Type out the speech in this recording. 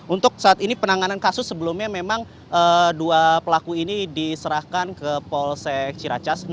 untuk saat ini penanganan kasus sebelumnya memang dua pelaku ini diserahkan ke polsek ciracas